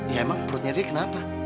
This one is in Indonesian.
ya emang perutnya riri kenapa